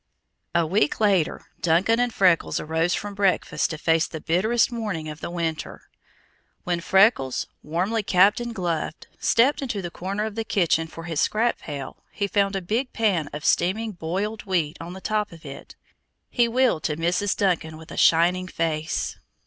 A week later, Duncan and Freckles arose from breakfast to face the bitterest morning of the winter. When Freckles, warmly capped and gloved, stepped to the corner of the kitchen for his scrap pail, he found a big pan of steaming boiled wheat on the top of it. He wheeled to Mrs. Duncan with a shining face.